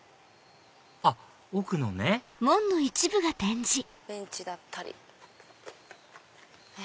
あっ奥のねベンチだったり。